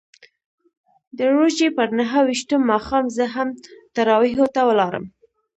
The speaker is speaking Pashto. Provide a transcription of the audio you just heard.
د روژې پر نهه ویشتم ماښام زه هم تراویحو ته ولاړم.